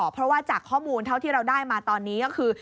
เพราะว่าจากข้อมูลเท่าที่เราได้มาตอนนี้ก็คือ